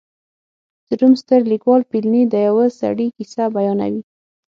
د روم ستر لیکوال پیلني د یوه سړي کیسه بیانوي